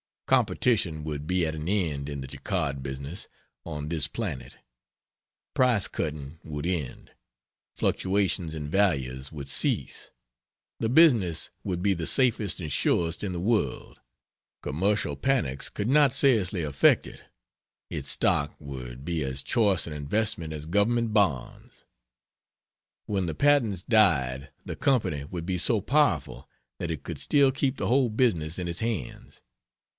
"Competition would be at an end in the Jacquard business, on this planet. Price cutting would end. Fluctuations in values would cease. The business would be the safest and surest in the world; commercial panics could not seriously affect it; its stock would be as choice an investment as Government bonds. When the patents died the Company would be so powerful that it could still keep the whole business in its hands.